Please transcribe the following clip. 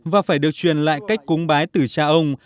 và phải được truyền lại cách cúng bái từ cha ông